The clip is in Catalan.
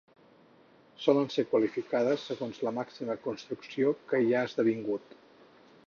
Solen ser qualificades segons la màxima construcció que hi ha esdevingut.